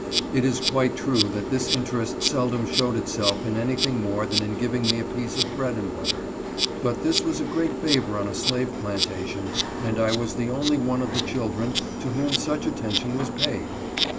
It is quite true that this interest seldom showed itself in anything more than in giving me a piece of bread and butter, but this was a great favor on a slave plantation, and I was the only one of the children to whom such attention was paid.